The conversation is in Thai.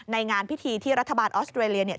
งานพิธีที่รัฐบาลออสเตรเลียเนี่ย